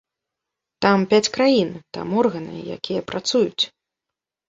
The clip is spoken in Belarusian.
Там пяць краін, там органы, якія працуюць.